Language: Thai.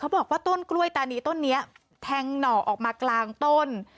บอกว่าต้นกล้วยตานีต้นนี้แทงหน่อออกมากลางต้น